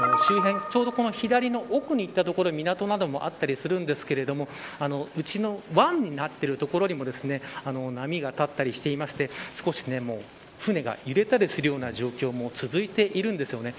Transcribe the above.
周辺、ちょうどこの左の奥にいった所に港などもあったりしますが内の湾になっている所にも波が立ったりしていまして少し船が揺れたりするような状況も続いているんですよね。